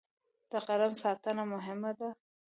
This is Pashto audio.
د قلم ساتنه مهمه ده.